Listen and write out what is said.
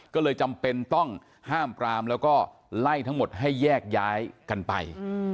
ก็เลยจำเป็นต้องห้ามปรามแล้วก็ไล่ทั้งหมดให้แยกย้ายกันไป